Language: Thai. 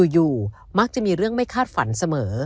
อยู่มักจะมีเรื่องไม่คาดฝันเสมอ